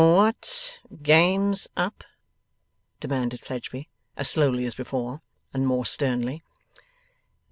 'What game's up?' demanded Fledgeby, as slowly as before, and more sternly.